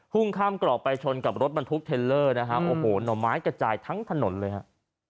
่งข้ามกรอกไปชนกับรถบรรทุกเทลเลอร์นะฮะโอ้โหหน่อไม้กระจายทั้งถนนเลยฮะ